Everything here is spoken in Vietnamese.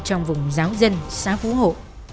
trong vùng giáo dân xã phú hộ